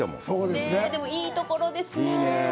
でも、いいところですね。